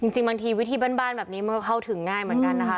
จริงบางทีวิธีบ้านแบบนี้มันก็เข้าถึงง่ายเหมือนกันนะคะ